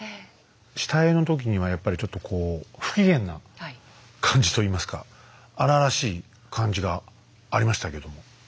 下絵の時にはやっぱりちょっとこう不機嫌な感じといいますか荒々しい感じがありましたけど。